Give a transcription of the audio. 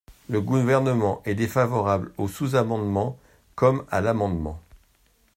Le Gouvernement est défavorable au sous-amendement comme à l’amendement.